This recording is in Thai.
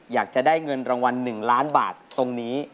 อยากจะได้เงินรางวัล๑ล้านบาทตรงนี้